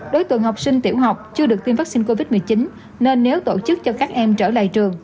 đối tượng học sinh tiểu học chưa được tiêm vaccine covid một mươi chín nên nếu tổ chức cho các em trở lại trường